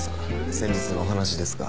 先日のお話ですが。